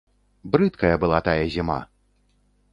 Брыдкая была тая зіма!